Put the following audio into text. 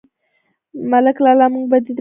_ملک لالا، موږ بدي دار يو؟